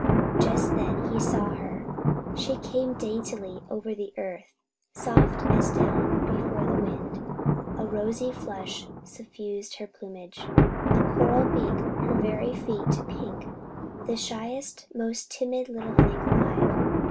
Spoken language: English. Just then he saw her! She came daintily over the earth, soft as down before the wind, a rosy flush suffusing her plumage, a coral beak, her very feet pink the shyest, most timid little thing alive.